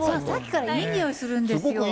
さっきからいい匂いするんですよ。